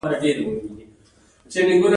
دې ودانیو خورا ډیرې او لویې کړکۍ درلودې.